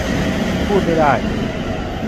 พูดไม่ได้